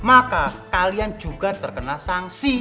maka kalian juga terkena sanksi